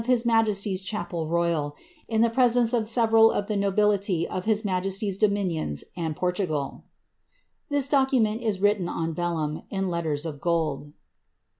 | mnjesty's Chapel Royal, in the presence of several of the nobility of his mij^ ly's dominions and Portugal." [This document is written on yellumi in letters of gold.